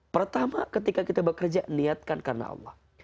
pertama ketika kita bekerja niatkan karena allah